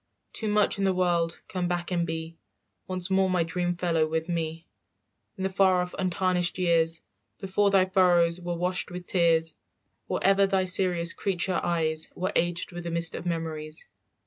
"Too much in the world, come back and be Once more my dream fellow with me, "In the far off untarnished years Before thy furrows were washed with tears, "Or ever thy serious creature eyes Were aged with a mist of memories.